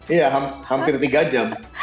iya hampir tiga jam